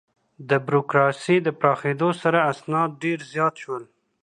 د بروکراسي د پراخېدو سره، اسناد ډېر زیات شول.